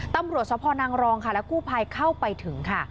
ตำรวจสพนางรองค่ะและกู้ภัยเข้าไปถึงค่ะ